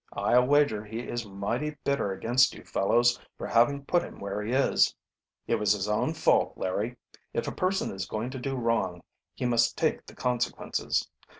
"I'll wager he is mighty bitter against you fellows for having put him where he is." "It was his own, fault, Larry. If a person is going to do wrong he must take the consequences.